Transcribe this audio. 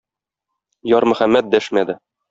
Ярмөхәммәт дәшмәде.